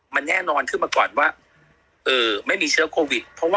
มันแน่นอนขึ้นมาก่อนว่าไม่มีเชื้อโควิด